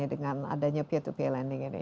dengan adanya peer to peer lending ini